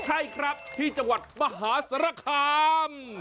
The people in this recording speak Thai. ใช่ครับที่จังหวัดมหาสารคาม